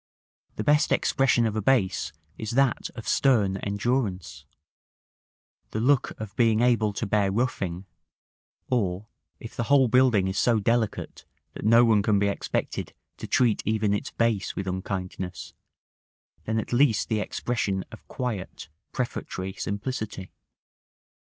The best expression of a base is that of stern endurance, the look of being able to bear roughing; or, if the whole building is so delicate that no one can be expected to treat even its base with unkindness, then at least the expression of quiet, prefatory simplicity.